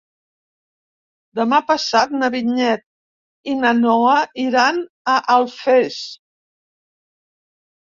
Demà passat na Vinyet i na Noa iran a Alfés.